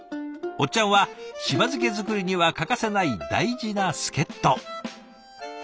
おっちゃんはしば漬け作りには欠かせない大事な助っと。